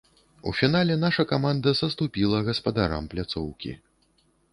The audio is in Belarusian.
У фінале наша каманда саступіла гаспадарам пляцоўкі.